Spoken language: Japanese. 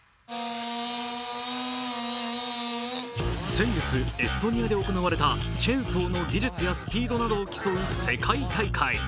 先月、エストニアで行われたチェンソーの技術やスピードなどを競う世界大会。